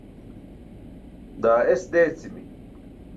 daa es deecimi